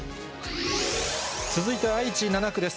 続いて愛知７区です。